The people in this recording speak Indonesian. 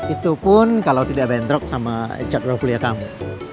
itu pun kalau tidak bendrok sama cat roh kuliah kamu